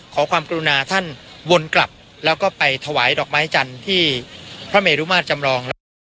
ขอความกรุณาท่านวนกลับแล้วก็ไปถวายดอกไม้จันทร์ที่พระเมรุมาตรจำลองแล้วก็